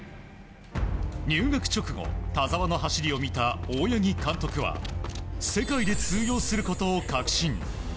入学直後田澤の走りを見た大八木監督は世界で通用することを確信。